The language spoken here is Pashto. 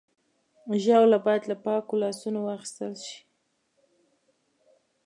ژاوله باید له پاکو لاسونو واخیستل شي.